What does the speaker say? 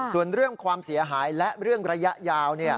ส่วนเรื่องความเสียหายและเรื่องระยะยาว